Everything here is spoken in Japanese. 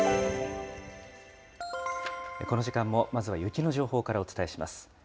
この時間もまずは雪の情報からお伝えします。